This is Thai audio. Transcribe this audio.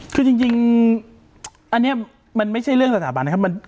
คือจริงอันนี้มันไม่ใช่เรื่องสถาบันนะครับ